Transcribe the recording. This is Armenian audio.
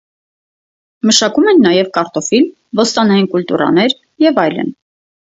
Մշակում են նաև կարտոֆիլ, բոստանային կուլտուրաներ և այլն։